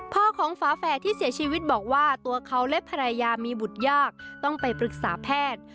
พ่อของฝาแฝดที่เสียชีวิตบอกว่าตัวเขาและภรรยามีบุตรยากต้องไปปรึกษาแพทย์